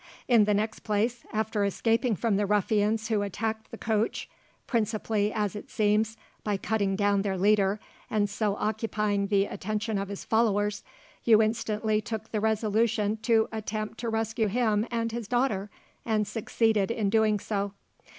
In the next place, after escaping from the ruffians who attacked the coach principally, as it seems, by cutting down their leader, and so occupying the attention of his followers you instantly took the resolution to attempt to rescue him and his daughter, and succeeded in doing so.